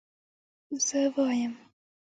زه وايم